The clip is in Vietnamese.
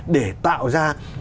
để tạo ra